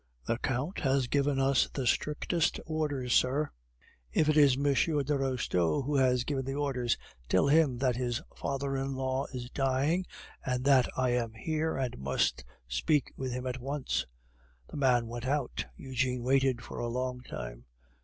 "The Count has given us the strictest orders, sir " "If it is M. de Restaud who has given the orders, tell him that his father in law is dying, and that I am here, and must speak with him at once." The man went out. Eugene waited for a long while.